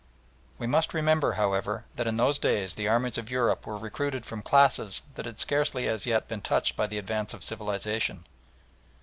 We must remember, however, that in those days the armies of Europe were recruited from classes that had scarcely as yet been touched by the advance of civilisation.